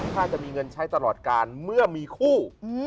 ถ้าจะมีเงินใช้ตลอดการเมื่อมีคู่